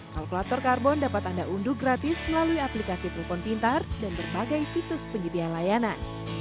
kalkulator karbon dapat anda unduh gratis melalui aplikasi telepon pintar dan berbagai situs penyedia layanan